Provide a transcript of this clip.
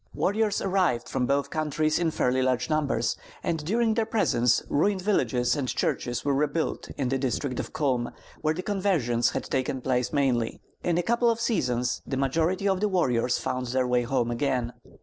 Warriors arrived from both countries in fairly large numbers, and during their presence ruined villages and churches were rebuilt in the district of Culm, where the conversions had taken place mainly. In a couple of seasons the majority of the warriors found their way home again.